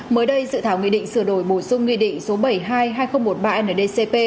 mới đây dự thảo nghị định sửa đổi bổ sung nghị định số bảy mươi hai hai nghìn một mươi ba ndcp